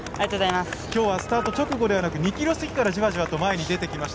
今日はスタート直後ではなく２ｋｍ過ぎからじわじわ前に出てきました。